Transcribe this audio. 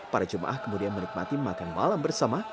para jemaah kemudian menikmati makan malam bersama